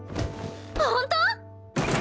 本当！？